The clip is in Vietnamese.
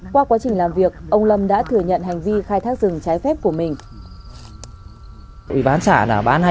qua quá trình làm việc ông lâm đã thừa nhận hành vi khai thác rừng trái phép của mình